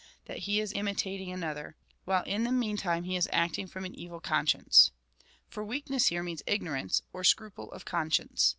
283 circumstance that lie is imitating another, while in the mean time he is acting from an evil conscience.'' For weakness here means ignorance, or scruple of conscience.